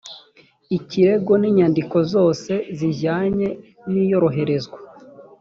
ikirego n inyandiko zose zijyanye n iyoherezwa